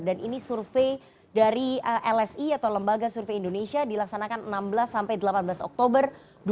dan ini survei dari lsi atau lembaga survei indonesia dilaksanakan enam belas sampai delapan belas oktober dua ribu dua puluh tiga